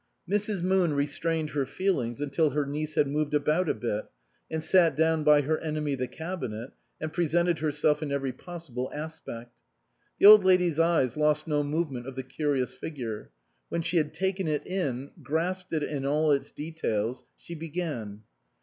Mrs. Moon restrained her feelings until her niece had moved about a bit, and sat down by her enemy the cabinet, and presented herself in every possible aspect. The Old Lady's eyes lost no movement of the curious figure ; when she had taken it in, grasped it in all its details, she began.